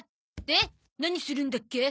で何するんだっけ？